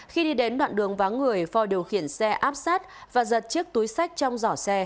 khi đi đến đoạn đường vắng người phò điều khiển xe áp sát và giật chiếc túi sách trong giỏ xe